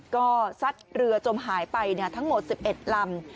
ก็ซัดเรือจมหายไปทั้งหมด๑๑ลำ